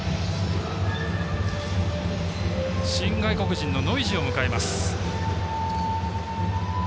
新外国人のノイジーを迎えます。